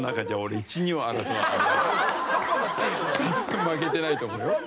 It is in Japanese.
負けてないと思うよ。